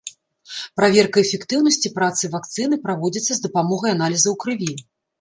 Праверка эфектыўнасці працы вакцыны праводзіцца з дапамогай аналізаў крыві.